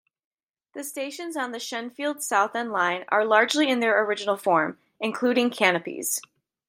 The stations on the Shenfield-Southend line are largely in their original form, including canopies.